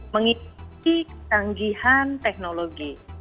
mengisi kecanggihan teknologi